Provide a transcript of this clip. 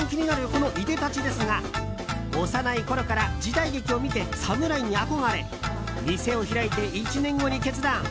このいでたちですが幼いころから時代劇を見て侍に憧れ店を開いて１年後に決断。